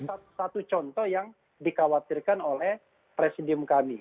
itu satu contoh yang dikhawatirkan oleh presidium kami